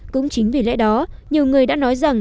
cũng chính vì lẽ đó nhiều người đã nói rằng